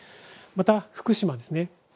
また、福島ですね。